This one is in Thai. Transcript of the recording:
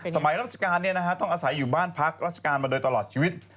ราชการต้องอาศัยอยู่บ้านพักราชการมาโดยตลอดชีวิต